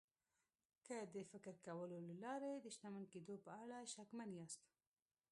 که د فکر کولو له لارې د شتمن کېدو په اړه شکمن ياست.